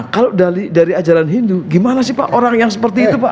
kalau dari ajaran hindu gimana sih pak orang yang seperti itu pak